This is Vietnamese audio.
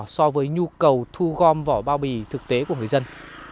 so với nhu cầu thu gom vỏ bao bì thực tế của người dân